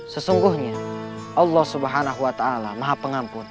sesungguhnya allah swt maha pengampun